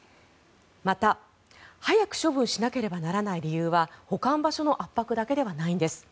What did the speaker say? また、早く処分しなければならない理由は保管場所の圧迫だけではないんです。